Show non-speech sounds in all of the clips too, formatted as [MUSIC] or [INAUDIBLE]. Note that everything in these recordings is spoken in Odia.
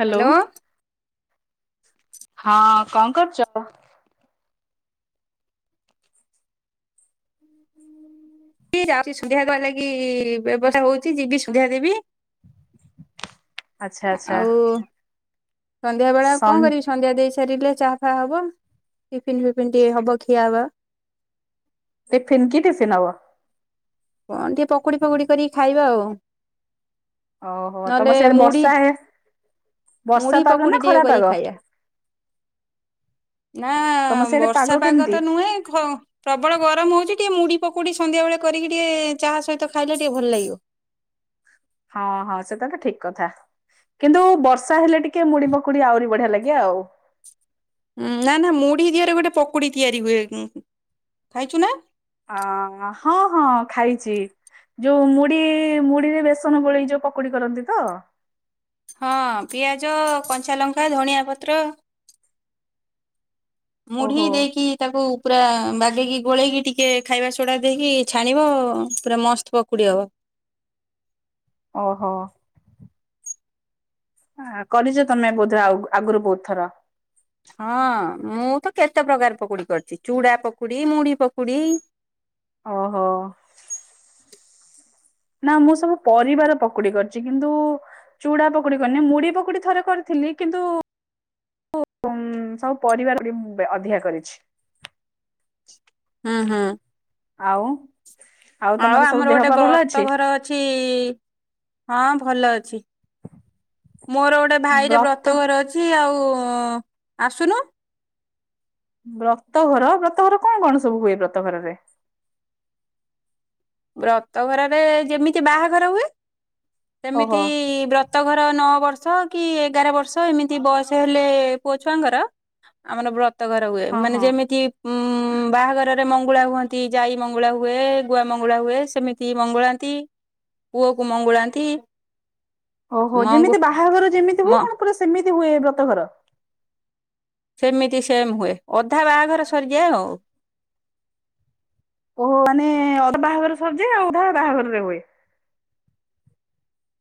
ହ୍ୟାଲୋ। ହଁ କଣ କରୁଛ? କିଏ ଯାଉ ସୁଧିଆ ଦେବା ଲାଗି ବ୍ୟବସ୍ଥା ହଉଛି ଯିବି ସୁଧିଆ ଦେବି ଆଚ୍ଛା ଆଚ୍ଛା। ସନ୍ଧ୍ୟାବେଳେ କଣ ସନ୍ କରିବି ସନ୍ଧ୍ୟା ଦେଇ ସରିଲେ ଚାହା ଫାହା ହବ ଟିଫିିନ ଫିଫିନ ଟିକେ ହବ ଖିଆ ହବ। [UNINTELLIGIBLE] କଣ ଟିକେ ପକୁଡ଼ି ଫକୁଡ଼ି କରିକି ଟିକେ ଖାଇବା ଆଉ। ଓହୋ ନହେଲେ ତମର ସେଇଠି ମୁଢି ବର୍ଷା ହେ ମୁଢି ବର୍ଷାପାଗ ପକୁଡି ନା ଟିକେ କରିକି ଖରାପାଗ। ଖାଇବା ନାଁ ବର୍ଷା ପାଗ ତ ନୁହେଁ ଖ ପ୍ରବଳ ଗରମ ହଉଚି ଟିକେ ମୁଢି ପକୋଡ଼ି ସନ୍ଧ୍ୟାବେଳେ କରିକି ଟିକେ ଚାହା ସହିତ ଖାଇଲେ ଟିକେ ଭଲ ଲାଗିବ। ହଁ ହଁ ସେଟା ତ ଠିକ କଥା। କିନ୍ତୁ ବର୍ଷା ହେଲେ ଟିକେ ମୁଡି ମକୁଡି ଆହୁରି ବଢିଆ ଲାଗେ ଆଉ, ହଁ ନା ନା ମୁଢି ଦିହରେ ଗୋଟେ ପକୋଡି ତିଆରି ହୁଏ ଖାଇଛୁ ନା? ଅ ହଁ ହଁ ଖାଇଛି। ଯୋଉ ମୁଢି ମୁଢିରେ ବେସନ ଗୋଳେଇକି ଯୋଉ ପକୁଡି କରନ୍ତି ତ। ହଁ ପିଆଜ କଞ୍ଚା ଲଙ୍କା ଧଣିଆ ପତ୍ର ମୁଢି ଓହୋ ଦେଇକି ତାକୁ ପୁରା ବାଗେଇକି ଗୋଳେଇକି ଟିକେ ଖାଇବା ସୋଡ଼ା ଦେଇକି ଛାଣିବ ପୁରା ମସ୍ତ ପକୁଡ଼ି ହବ। ଓହୋ। ହ କରିଛ ତମେ ବୋଧେ ଆଉଗ ଆଗୁରୁ ବହୁତ ଥର? ହଁ ମୁଁ ତ କେତେ ପ୍ରକାର ପକୁଡ଼ି କରିଛି ଚୁଡ଼ା ପକୁଡି ମୁଢ଼ି ପକୁଡି। ଓ ହୋ ନା ମୁଁ ସବୁ ପରିବାର ପକୁଡି କରିଛି କିନ୍ତୁ ଚୁଡା ପକୁଡି କରିନି ମୁଢ଼ି ପକୁଡି ଥରେ କରିଥିଲି କିନ୍ତୁ [UNINTELLIGIBLE] ସବୁ ପରିବାର [UNINTELLIGIBLE] ମୁଁ ଅଧିକା କରିଛି। ହୁଁ ହୁଁ ଆଉ ଆଉ ତମର ସବୁ ଆମର ଦେହ ଗୋଟେ ପା ଭଲ ବ୍ରତ ଅଛି ଘର ଅଛ ଛି ହଁ ଭଲ ଅଛି ମୋର ଗୋଟେ ଭାଇର ବ୍ରତ ବ୍ରତଘର ଅଛି ଆଉ ଆସୁନୁ। ବ୍ରତଘର ବ୍ରତଘର କଣ କଣ ସବୁ ହୁଏ ବ୍ରତଘରରେ? ବ୍ରତ ଘରରେ ଯେମିତି ବାହାଘର ହୁଏ ଓହୋ ସେମିତି ବ୍ରତ ବ୍ରତଘର ନଅ ବର୍ଷ କି ଏଗାର ବର୍ଷ ଏମିତି ବୟସ ହେଲେ ପୁଅ ଛୁଆଙ୍କର। ଆମର ବ୍ରତଘର ହୁଏ ହଁ ମାନେ ହଁ ଯେମିତି ଉଁ ବାହାଘରରେ ମଙ୍ଗୁଳା ହୁଅନ୍ତି। ଯାଇ ମଙ୍ଗଳା ହୁଏ ଗୁଆ ମଙ୍ଗଳା ମଙ୍ଗୁଳା ହୁଏ ସେମିତି ମଙ୍ଗୁଳାନ୍ତି ପୁଅକୁ ମଙ୍ଗୁଳାନ୍ତି। ଓହୋ ମଙ୍ଗୁ ଯେମିତି ବାହାଘର ଯେମିତି ହୁଏ ମ କଣ ପୁରା ସେମିତି ହୁଏ ବ୍ରତ ଘର? ସେମିତି ସେମ୍ ହୁଏ। ଅଧା ବାହାଘର ସରିଯାଏ ଆଉ। ଓ ମାନେ ଅଧା ବାହାଘର ସରିଯାଏ ଆଉ ଅଧା ବାହାଘରରେ ହୁଏ।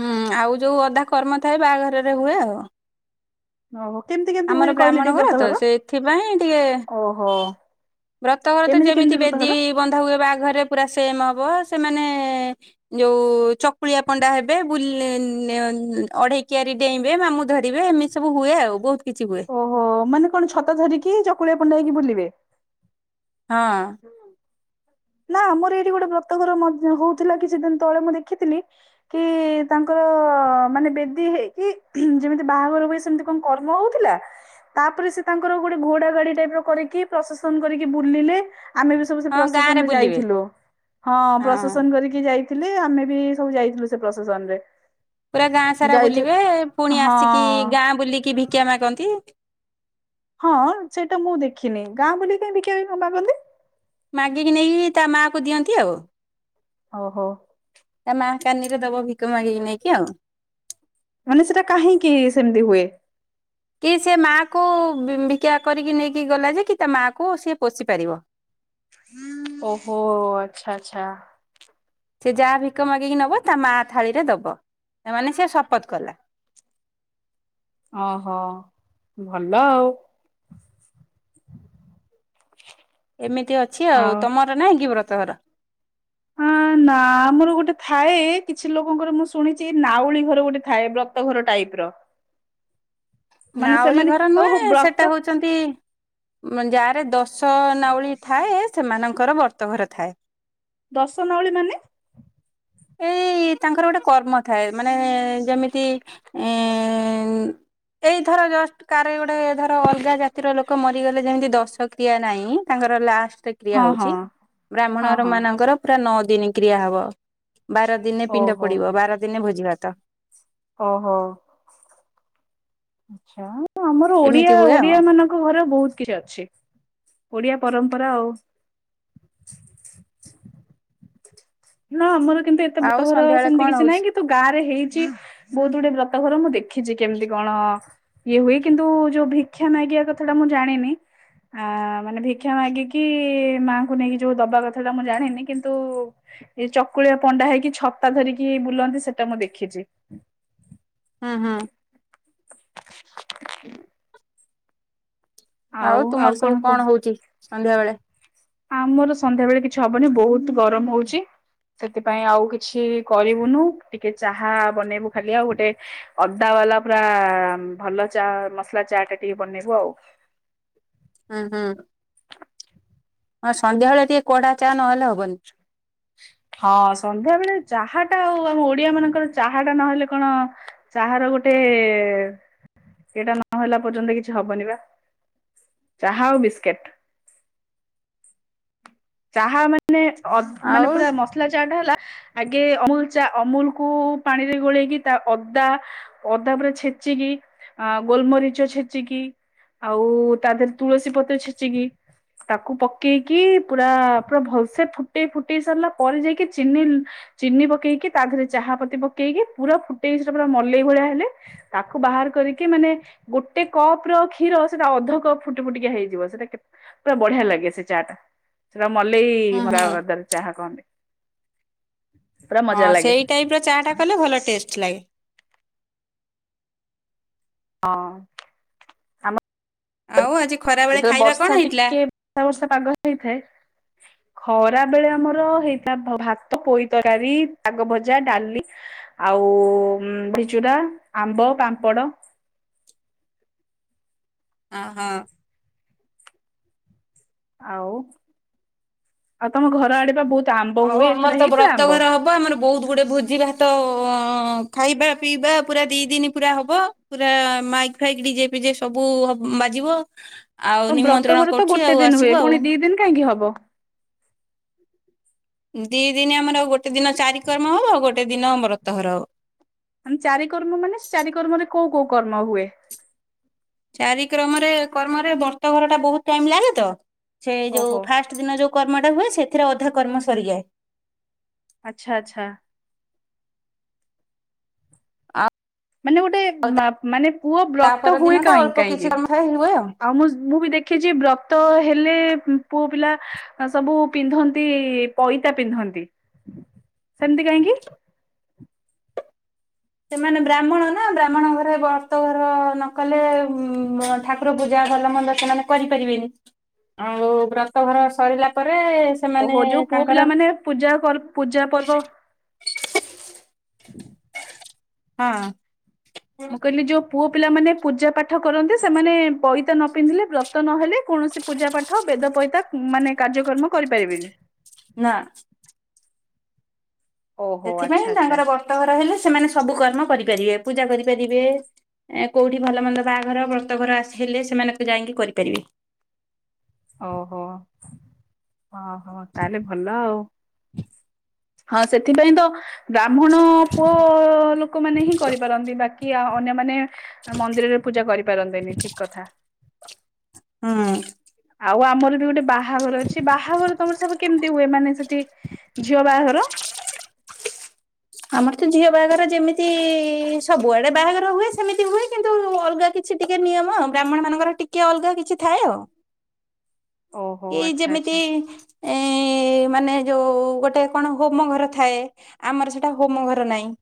ହୁଁ ଆଉ ଯୋଉ ଅଧା କର୍ମ ଥାଏ ବାହାଘରରେ ହୁଏ ଆଉ। ହ ହୋ କେମତି ଆମର ବ୍ରାହ୍ମଣ ଘର ତ ସେଥିପାଇଁ ଟିକେ ଓହୋ। ବ୍ରତଘର ତ କେମିତି ଯେମିତି କେମିତି ବେଦୀ ବ୍ରତଘର ବନ୍ଧା ହୁଏ ବାହାଘରେ ପୁରା ସେମ ହବ ସେମାନେ ଯୋଉ ଚକୁଳିଆ ପଣ୍ଡା ହେବେ ବୁଲେ ନେ ଅଁ ଅଢେଇକିଆରି ଡେଇଁବେ ମାମୁଁ ଧରିବେ ଏମି ସବୁ ହୁଏ ଆଉ ବହୁତ କିଛି ହୁଏ। ଓ ହୋ ମାନେ କଣ ଛତା ଧରିକି ଚକୁଳିଆ ପଣ୍ଡା ହେଇକି ବୁଲିବେ? ହଁ [INAUDIBLE] ନା ଆମର ଏଇଠି ଗୋଟେ ବ୍ରତଘର ମଝି ହଉଥିଲା କିଛି ଦିନ ତଳେ ମୁଁ ଦେଖିଥିଲି କି ତାଙ୍କର ମାନେ ବେଦୀ ହେଇକି ଯେମିତି ବାହାଘର ହୁଏ ସେମିତି କଣ କର୍ମ ହଉଥିଲା। ତାପରେ ସେ ତାଙ୍କର ଗୋଟେ ଘୋଡା ଗାଡି ଟାଇପ ର କରିକି ପ୍ରଶେସନ କରିକି ବୁଲିଲେ ଆମେ ବି ସବୁ ହଁ ସେ ଗାଁ ପ୍ରସେସନରେ ଯାଇଥିଲୁ ହଁ ପ୍ରଶେସନ କରିକି ଯାଇଥିଲେ ଆମେ ବି ସବୁ ଯାଇଥିଲୁ ସେ ପ୍ରଶେସନ ରେ ପୁରା ଗାଁ ସାରା ବୁଲିବେ ପୁଣି ହଁ ଆସିକି ଗାଁ ବୁଲିକି ଭିକ୍ୟା ମାଗନ୍ତି। ହଁ ସେଇଟା ମୁଁ ଦେଖିନି ଗାଁ ବୁଲିକି କାହିଁ ଭିକ୍ୟା ମାଗନ୍ତି? ମାଗିକି ନେଇକି ତା ମାଆକୁ ଦିଅନ୍ତି ଆଉ। ଓ ହୋ ତା ମା କାନିରେ ଦବ ଭିକ ମାଗିକି ନେଇକି ଆଉ ମାନେ ସେଇଟା କାହିଁକି ସେମିତି ହୁଏ? କି ସେ ମାଆକୁ ଭି ଭିକା କରିକି ନେଇକି ଗଲା ଯେ କି ତା ମାଆକୁ ସେ ପୋଷିପାରିବ। ଓ ହୋ ଆଚ୍ଛା ଆଚ୍ଛା ସେ ଯାହା ଭିକ ମାଗିକି ନବ ତା ମା ଥାଳିରେ ଦବ ତା ମାନେ ସେ ଶପଥ କଲା। ଅ ହୋ ଭଲ ଆଉ ଏମିତି ଅଛି ଆଉ ତମର ନାଇଁ କି ବ୍ରତ ଘର ଉଁ ନା ଆମର ଗୋଟେ ଥାଏ କିଛି ଲୋକଙ୍କର ମୁଁ ଶୁଣିଛି ନାଉଳି ଘର ଗୋଟେ ଥାଏ ବ୍ରତ ଘର ଟାଇପ ର। ମାନେ ନାଉଳି ସେମାନେ ଘର ଓହୋ ନୁହେଁ ବ୍ରତ ସେଟା ହୋଉଛି ଛନ୍ତି ଯାରେ ଦଶ ନାଉଳି ଥାଏ। ସେମାନଙ୍କର ବ୍ରତଘର ଥାଏ। ଦଶ ନାଉଳି ମାନେ? ଏଇ ତାଙ୍କର ଗୋଟେ କର୍ମ ଥାଏ ମାନେ ଯେମିତି ଏଇଧର ଜଷ୍ଟ କାର ଗୋଟେ ଧର ଅଲଗା ଜାତିର ଲୋକ ମରିଗଲେ ଯେମିତି ଦଶ କ୍ରିୟା ନାଇଁ। ତାଙ୍କର ଲାଷ୍ଟ କ୍ରିୟା ହଁ ହଁ ହଉଛି ହଁ ବ୍ରାହ୍ମଣ ଘର ହଁ ମାନଙ୍କର ପୁରା ନଅ ଦିନ କ୍ରିୟା ହବ। ବାର ଦିନେ ପିଣ୍ଡ ଓହୋ ପଡିବ ବାର ଦିନେ ଭୋଜି ଭାତ ଓ ହୋ ଆଛା ଆମର ଓଡିଆ ଏମିତି ହୁଏ ଆଉ ଓଡିଆ ମାନଙ୍କ ଙ୍କ ଘର ବହୁତ କିଛି ଅଛି ଓଡିଆ ପରମ୍ପରା ଆଉ ନା ଆମର କିନ୍ତୁ ଏତେ ଆଉ ବ୍ରତଘର ଘର ସନ୍ଧ୍ୟାବେଳେ ସେମିତି କଣ କିଛି ନାହିଁ ହଉଛି କି ତ ଗାଁ ରେ ହେଇଛି ବହୁତ ଗୁଡେ ବ୍ରତଘର ମୁଁ ଦେଖିଛି। କେମିତି କଣ? ଇଏ ହୁଏ କିନ୍ତୁ ଯୋଉ ଭିକ୍ଷା ମାଗିଆ କଥା ଟା ମୁଁ ଜାଣିନି। ଆ ମାନେ ଭିକ୍ଷା ମାଗିକି ମାଙ୍କୁ ନେଇକି ଯୋଉ ଦବା କଥାଟା ମୁଁ ଜାଣିନି। କିନ୍ତୁ ଏଇ ଚକୁଳିଆ ପଣ୍ଡା ହେଇକି ଛତା ଧରିକି ବୁଲନ୍ତି ସେଟା ମୁଁ ଦେଖିଛି। ହୁଁ ହୁ [INAUDIBLE] ଆଉ ତୁମର ସବୁ କଣ ହଉଛି ସନ୍ଧ୍ୟାବେଳେ? ଆମର ସନ୍ଧ୍ୟା ବେଳେ କିଛି ହବନି ବହୁତ ଗରମ ହଉଛି ସେଥିପାଇଁ ଆଉ କିଛି କରିବୁନୁ ଟିକେ ଚାହା ବନେଇବୁ ଖାଲି ଆଉ ଗୋଟେ ଅଦା ବାଲା ପୁରା ଭଲ ଚା ମସଲା ଚା ଟା ଟିକେ ବନେଇବୁ ଆଉ ହଁ ହଁ ହଁ ସନ୍ଧ୍ୟାବେଳେ ଟିକେ କଡା ଚା ନହେଲେ ହବନି। ହଁ ସନ୍ଧ୍ୟା ବେଳେ ଚାହା ଟା ଆଉ ଆମ ଓଡିଆ ମାନଙ୍କର ଚାହା ଟା ନହେଲେ କଣ ଚାହାର ଗୋଟେ ଏଟା ନହେଲା ପର୍ଯ୍ୟନ୍ତ କିଛି ହବନି ବା। ଚାହା ଆଉ ବିସ୍କେଟ୍। ଚାହା ମାନେ ଅଦ୍ - ଆଉ ମାନେ ପୁରା ମସ୍ ଶୁଖିଲା ଚା ଟା ହେଲା ଆଗେ ଅମୁଲ ଚା ଅମୁଲକୁୁ ପାଣିରେ ଗୋଳେଇକି ତା ଅଦା ଅଦା ପୁରା ଛେଚିକି ଅ-ଗୋଲମରିଚ ଛେଚିକି। ଆଉ ତା ଦେହରେ ତୁଳସୀ ପତ୍ର ଛେଚିକି ତାକୁ ପକେଇକି ପୁରା ପୁରା ଭଲସେ ଫୁଟେଇ ଫୁଟେଇ ସାରିଲା ପରେ ଯାଇକି ଚିନି ଲୁ ଚିନି ପକେଇକି ତା ଦେହରେ ଚାହା ପତି ପକେଇକି, ପୁରା ଫୁଟେଇକି ସେଟା ପୁରା ମଲେଇ ଭଳିଆ ହେଲେ ତାକୁ ବାହାର କରିକି ମାନେ ଗୋଟେ କପ ର କ୍ଷୀର ସେଇଟା ଅଧ କପ୍ ଫୁଟି ଫୁଟିକିଆ ହେଇଯିବ ସେଇଟା କେ ପୁରା ବଢ଼ିଆ ଲାଗେ ସେ ଚାହା ଟା ସେଟା ମଲେଇ ହୁଁ ମରା ହୁଁ ଅଦାର ଚାହା କହନ୍ତି। ପୁରା ହଁ ମଜା ଲାଗେ ସେଇ ଟାଇପ୍ର ଚାହା ଟା କଲେ ଭଲ ଟେଷ୍ଟ ଲାଗେ। ହଁ। ଆମ ଆଉ ଆଜି ଖରାବେଳେ ଖାଇବା କଣ ହେଇଥିଲା? ସାତ ବର୍ଷ ପାଗ ହେଇଥାଏ। ଖରାବେଳେ ଆମର ହେଇଥା ଭାତ, ପୋଇ ତରକାରୀ, ଶାଗ ଭଜା, ଡ଼ାଲି। ଆଉ ଭିଚୁରା, ଆମ୍ବ, ପାମ୍ପଡ଼। ଅ ହଁ। ଆଉ, ଆଉ ତମ ଘର ଆଡ଼େ ବା ବହୁତ ଆମ୍ବ ହଉ ହୁଏ ଆମର ଏଥର ତ ହେଇଥିଲା ବ୍ରତ ଆମ୍ବ ଘର ହବ ଆମର ବହୁତ ଗୁଡ଼େ ଭୋ ଯିଭାତ ଖାଇବା ପିଇବା ପୁରା ଦି ଦିନ ପୁରା ହବ ପୁରା ମାଇକ ଖାଇକି ଡି ଜେ, ଫି ଜେ ସବୁ ହ ବାଜିବ। ଆଉ କଣ ନିମନ୍ତ୍ରଣ ବ୍ରତଘର ତ କରୁଛି ଆଉ ଗୋଟେ ଦିନ ହୁଏ ଆସିବୁ ଆଉ। ପୁଣି ଦି ଦିନ କାହିଁକି ହବ? ଦି ଦିନ ଆମର ଆଉ ଗୋଟେ ଦିନ ଚାରିିକର୍ମ ହବ ଗୋଟେ ଦିନ ବ୍ରତ ଘର ହବ। ମାନେ ଚାରି କର୍ମ ମାନେ ଚାରି କର୍ମରେ କୋଉ କୋଉ କର୍ମ ହୁଏ? ଚାରି କ୍ରମରେ କର୍ମରେ ବର୍ତ ଘର ଟା ବହୁତ ଟାଇମ ଲାଗେ ତ ସେ ଯୋଉ ଓହୋ ଫାଷ୍ଟ ପା ଦିନ ଯଉ କରମଟା ହୁଏ ସେଥିରେ ଅଧା କର୍ମ ସରିଯାଏ। ଆଚ୍ଛା, ଆଚ୍ଛା। ଆଉ ମାନେ ଗୋଟେ ମାନେ ପୁଅ ତା ବ୍ରତ ପର ଦିନ ହୁଏ ଟା କାହିଁକି ଅଳ୍ପ କିଛି କାହିଁକି କର୍ମ ହୁଏ ଆଉ ମୁ ମୁଁ ବି ଦେଖ ଦେଖିଛି ବ୍ରତ ହେଲେ ପୁଅ ପିଲା ସବୁ ପିନ୍ଧନ୍ତି ପଇତା ପିନ୍ଧନ୍ତି। ସେମିତି କାହିଁକି? ସେମାନେ ବ୍ରାହ୍ମଣ ନା ବ୍ରାହ୍ମଣ ଘରେ ବ୍ରତ ଘର ନ କଲେ ଉ ନୁ ଠାକୁର ପୂଜା ଯାହା ଭଲ ମନ୍ଦ ସେମାନେ କରିପାରିବେନି ଆଉ ବ୍ରତଘର ସରିଲା ପରେ ସେମାନେ ଓହୋ ଯୋଉ ପୁଅ ତାଙ୍କର ପିଲା ମାନେ ପୂଜା ପର୍ ପୂଜା ପର୍ବ [INAUDIBLE] ହଁ। ମୁଁ କହିଲି ଯୋଉ ପୁଅ ପିଲାମାନେ ପୂଜା ପାଠ କରନ୍ତି ସେମାନେ ପଇତା ନ ପିନ୍ଧିଲେ ବ୍ରତ ତ ନହେଲେ କୌଣସି ପୂଜା ପାଠ ବେଦ ପଇତା ଉ ମାନେ କାର୍ଯ୍ୟକ୍ରମ କରିପାରିବେନି? ନା। ଓହୋ ଆଚ୍ଛା ସେଥିପାଇଁ ଆଚ୍ଛା ତାଙ୍କର ବ୍ରତଘର ହେଲେ ସେମାନେ ସବୁ କର୍ମ କରିପାରିବେ ପୂଜା କରିପାରିବେ ଏ କଉଠି ଭଲ ମନ୍ଦ ବାହାଘର ବ୍ରତଘର ଆସିଲେ ସେମାନ ତ ଯାଇକି କରିପାରିବେ। ଓହୋ, ଓହୋ ତାହେଲେ ଭଲ ଆଉ। ହଁ ସେଥିପାଇଁ ତ ବ୍ରାହ୍ମଣ ପୁଅ ଲୋକମାନେ ହିଁ କରିପାରନ୍ତି, ବାକି କି ଅନ୍ୟମାନେ ମନ୍ଦିରରେ ପୂଜା କରିପାରନ୍ତିନି ଠିକ କଥା। ହୁଁ। ଆଉ ଆମର ବି ଗୋଟେ ବାହାଘର ଅଛି, ବାହାଘର ତମର ସବୁ କେମିତି ହୁଏ ମାନେ ସେଠି ଝିଅ ବାହାଘର? ଆମର ତ ଝିଅ ବାହାଘର ଯେମିତି ସବୁଆଡ଼େ ବାହାଘର ହୁଏ ସେମିତି ହୁଏ, କିନ୍ତୁ ଅଲଗା କିଛି କିଛି ଟିକେ ନିୟମ ବ୍ରାହ୍ମଣ ମାନଙ୍କର ଟିକେ ଅଲଗା କିଛି ଥାଏ ଆଉ। ଓହୋ ଏଇ ଆଚ୍ଛା ଆଚ୍ଛା ଯେମିତି ଏ [INAUDIBLE] ମାନେ ଯୋଉ ଗୋଟେ କଣ ହୋମ ଘର ଥାଏ ଆମର ସେଟା ହୋମ ଘର ନାହିଁ।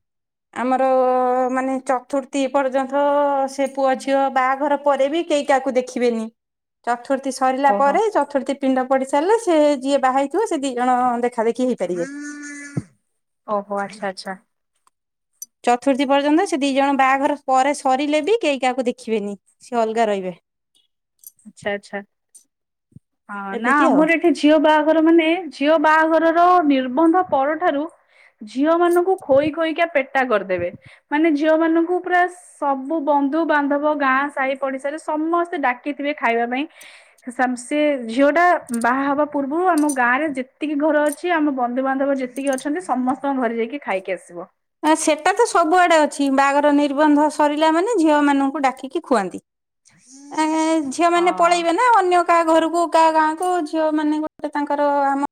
ଆମର ମାନେ ଚତୁର୍ଥୀ ପର୍ଯ୍ୟନ୍ତ ସେ ପୁଅ ଝିଅ ବାହାଘର ପରେ ବି କେହି କାହାକୁ ଦେଖିବେନି ଚତୁର୍ଥୀ ସ ସରିଲା ଓହୋ ପରେ ଚତୁର୍ଥୀ ପିଣ୍ଡ ପଡ଼ି ସାରିଲେ ସେ ଯିଏ ବାହାହଇଥିବ ସେ ଦିଇ ଜଣ ଦେଖା ଦେଖି ହେଇପାରିବେ। ଓହୋ ଆଚ୍ଛା ଆଚ୍ଛା। ଚତୁର୍ଥୀ ପର୍ଯ୍ୟନ୍ତ ସେ ଦି ଜଣ ବାହାଘର ପରେ ସରିଲେ ବି କେହି କାହାକୁ ଦେଖିବେନି ସେ ଅଲଗା ରହିବେ। ଆଚ୍ଛା ଆଛା ହ ନା ଏମିତି ଆଉ। ଆମର ଏଠି ଝିଅ ବାହାଘର ମାନେ ଝିଅ ବାହାଘରର ନିର୍ବନ୍ଧ ପରଠାରୁ ଝିଅ ମାନଙ୍କୁ ଖୋଇ ଖୋଇକି ପେଟା କରିଦେବେ ମାନେ ଝିଅ ମାନଙ୍କୁ ପୁରା ସବୁ ବନ୍ଧୁବାନ୍ଧବ ଗାଁ ସାହି ପଡ଼ିଶାରେ ସମସ୍ତେ ଡ଼ା କି ଥିବେ ଖାଇବା ପାଇଁ ସବସେ ସେ ଝିଅ ଟା ବାହା ହେବା ପୂର୍ବରୁ ଆମ ଗାଁ ରେ ଯେତିକି ଘର ଅ ଅଛି ଆମ ବନ୍ଧୁବାନ୍ଧବ ଯେତିକି ଅଛନ୍ତି ସମସ୍ତଙ୍କ ଘରେ ଯାଇକି ଖାଇକି ଆସିବ। ସେଟା ତ ସବୁଆଡେ ଅଛି ବାହାଘର ନିର୍ବନ୍ଧ ସରିଲା ମାନେ ଝିଅ ମାନଙ୍କୁ ଡାକିକି ଖୁଆନ୍ତି। ଝିଅ ମାନେ ପଳେଇବେ ହଁ ନା ଅନ୍ୟ କାହା ଘରକୁ କାହା ଗାଁ କୁ ଝିଅ ମାନେ ଗୋଟେ ତାଙ୍କର ଆମ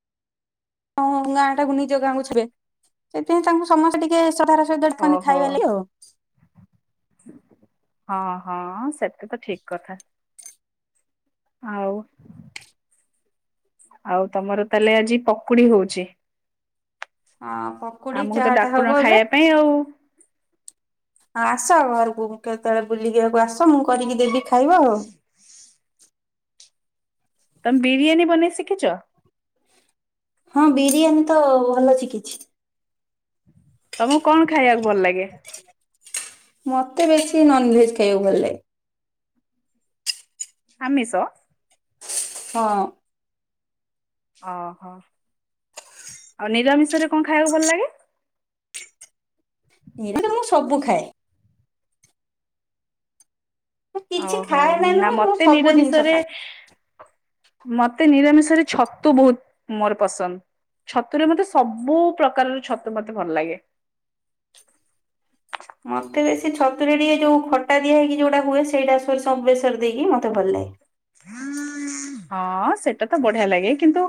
ହଁ ଗାଁ ଟାକୁ ନିଜ ଗାଁକୁ ଥିବେ ସେଥିପାଇଁ ତାଙ୍କୁ ସମସ୍ତେ ଟିକେ ଶ୍ରଧାର ସହିତ ଥାନ୍ତି ଓହୋ ଖାଇବା ଲାଗି ଆଉ ହଁ ହଁ ସେଟା ତ ଠିକ କଥା। ଆଉ ଆଉ ତମର ତାହେଲେ ଆଜି ପକୁଡି ହଉଛି। ହଁ ପକୁଡି ଚାହା ଟା ହବ ଏବେ। ପାଇ ଆଉ ହଁ ଆସ ଘରକୁ କେତେବେଳେ ବୁଲିବାକୁ ଆସ ମୁଁ କରିକି ଦେବି ଖାଇବ ଆଉ। ତମେ ବିରିୟାନୀ ବନେଇ ଶିଖିଛ? ହଁ ବିରିୟାନୀ ତ ଭଲ ସିକିଛି। ତମକୁ କଣ ଖାଇବାକୁ ଭଲ ଲାଗେ? ମତେ ବେଶୀ ନନଭେଜ ଖାଇବାକୁ ଭଲଲାଗେ। ଆମିଷ। ହଁ ଓହୋ ଆଉ ନିରାମିଷରେ କଣ ଖାଇବାକୁ ଭଲ ଲାଗେ? ନିରମି ମୁଁ ସବୁ ଖାଏ। ମୁଁ କିଛି ଓହୋ ଖାଏ ନା ନୁହେଁ ମୁଁ ମତେ ସବୁ ଜିନିଷ ନିରାମିଷରେ ଖାଏ। ମତେ ନିରାମିଷରେ ଛତୁ ବହୁତ ମୋର ପସନ୍ଦ। ଛତୁରେ ମତେ ସବୁ ପ୍ରକାରର ଛତୁ ମତେ ଭଲ ଲାଗେ। ମତେ ବେଶି ଛତୁରେ ଟିକେ ଯୋଉ ଖଟା ଦିଆ ହେଇକି ଯୋଉଟା ହୁଏ ସେଇଟା ସୋରିସ ବେଶର ଦେଇକି ମତେ ଭଲ ଲାଗେ। ହଁ ସେଇଟା ତ ବଢିଆ ଲାଗେ କିନ୍ତୁ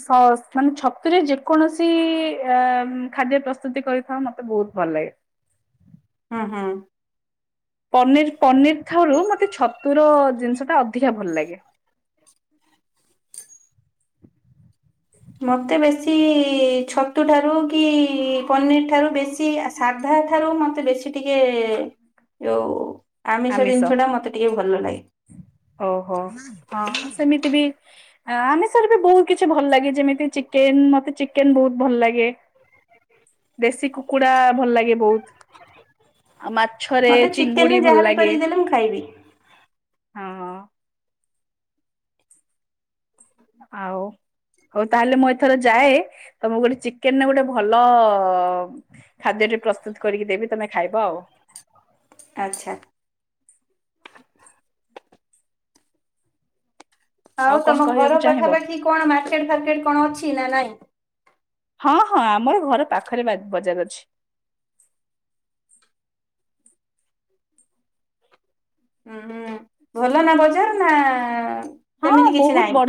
ସ ମାନେ ଛତୁରେ ଯେକୌଣସି ଅ ଖାଦ୍ୟ ପ୍ରସ୍ତୁତି କରି ଥାଅ ମତେ ବହୁତ ଭଲ ଲାଗେ। ହଁ ହଁ ପନିର ପନିର ଥରୁ ମତେ ଛତୁର ଜିନିଷ ଟା ଅଧିକା ଭଲ ଲାଗେ। ମତେ ବେଶୀ ଛତୁ ଠାରୁ କି ପନିର ଠାରୁ ବେଶୀ ଆସ ସାଧା ଠାରୁ ମୋତେ ବେଶୀ ଟିକେ ଯଉ ଆମିଷ ଜିନିଷଟା ମତେ ଟିକେ ଭଲ ଲାଗେ। ଓହୋ ହଁ ସେମିତି ବି ଆମିଷରେ ବି ବହୁତ କିଛି ଭଲ ଲାଗେ ଯେମିତି ଚିକେନ ମତେ ଚିକେନ ବହୁତ ଭଲ ଲାଗେ। ଦେଶୀ କୁକୁଡା ଭଲ ଲାଗେ ବହୁତ ଆଉ ମାଛରେ ମତେ ଚିଙ୍ଗୁଡି ଚିକେନରେ ଭଲ ଯାହାବି ଲାଗେ। କରିକି ଦେଲେ ମୁଁ ଖାଇବି ହଁ ହଁ ଆଉ। ହଉ ତାହେଲେ ମୁଁ ଏଥର ଯାଏ ତମକୁ ଗୋଟେ ଚିକେନ ଗୋଟେ ଭଲ ଅ ଖାଦ୍ୟଟି ପ୍ରସ୍ତୁତ କରିକି ଦେବି ତମେ ଖାଇବ ଆଉ। ଆଚ୍ଛା। ଆଉ କଣ ତମ କହିବାକୁ ଘର ଚାହିଁବ ପାଖାପାଖି କଣ ମାର୍କେଟ ଫାର୍କେଟ କଣ ଅଛି ନା ନାଇଁ? ହଁ ହଁ ଆମର ଘର ପାଖରେ ବା ବଜାର ଅଛି। ଉଁ ହୁଁ ଭଲ ନା ବଜାର ନା ହଁ ସେମିତି କିଛି ବହୁତ ନାହିଁ। ବଡ